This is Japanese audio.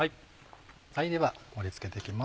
では盛り付けて行きます